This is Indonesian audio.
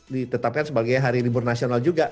ditetapkan sebagai hari libur nasional juga